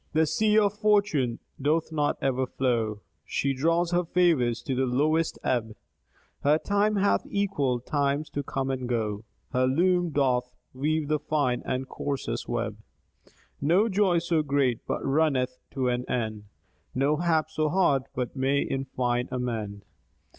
The sea of Fortune doth not ever flow, She draws her favours to the lowest ebb ; Her tides have equal times to come and go, Her loom doth weave the fine and coarsest web ; No joy so great but runneth to an end, No hap so hard but may in fine amend.